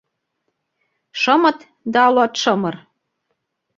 Шымыт да луатшымыр...